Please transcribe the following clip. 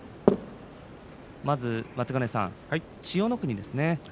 まず、松ヶ根さん千代の国ですね。